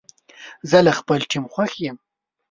زه له خپل ټیم خوښ یم.